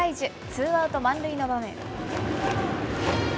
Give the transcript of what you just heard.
ツーアウト満塁の場面。